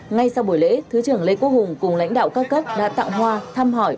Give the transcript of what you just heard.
ngay sau buổi lễ thứ trưởng lê quốc hùng cùng lãnh đạo các cấp đã tặng hoa thăm hỏi